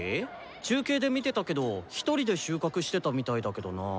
中継で見てたけどひとりで収穫してたみたいだけどな？